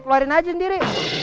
keluarin aja sendiri